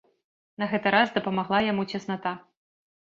На гэты раз дапамагла яму цесната.